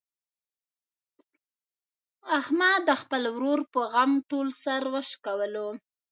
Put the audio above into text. احمد د خپل ورور په غم ټول سر و شکولو.